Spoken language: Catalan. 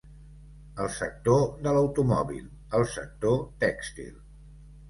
El sector de l'automòbil, el sector tèxtil.